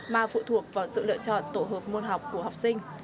mà phụ thuộc vào sự lựa chọn tổ hợp môn học của học sinh